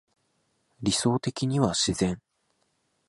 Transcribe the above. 理想的には自然